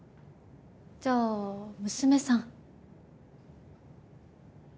じゃあ娘さん？